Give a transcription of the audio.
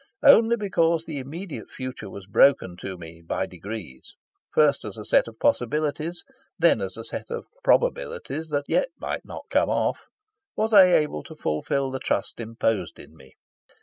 Only because the immediate future was broken to me by degrees, first as a set of possibilities, then as a set of probabilities that yet might not come off, was I able to fulfil the trust imposed in me.